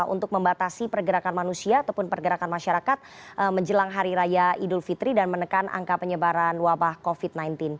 untuk membatasi pergerakan manusia ataupun pergerakan masyarakat menjelang hari raya idul fitri dan menekan angka penyebaran wabah covid sembilan belas